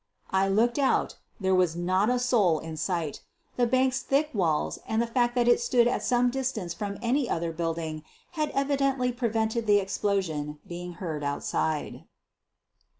I looked out — there was not a soul in sight. The bank's thick walls and the fact that it stood at some distance from any other building had evidently pre vented the explosion being heard outside.